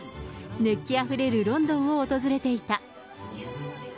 熱気あふれるロンドンを訪れていた。